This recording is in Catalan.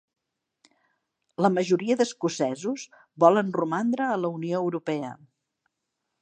La majoria d'escocesos volen romandre a la Unió Europea